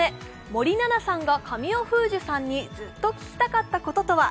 森七菜さんが神尾楓珠さんにずっと聞きたかったこととは。